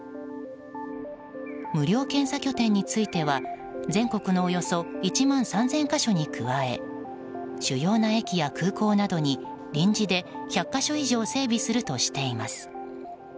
無料検査拠点については全国のおよそ１万３０００か所に加え主要な駅や空港などに臨時で１００か所以上整備するとしています。